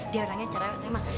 dia orangnya cerah emang